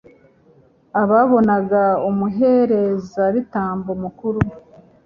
ababonaga umuherezabitambo mukuru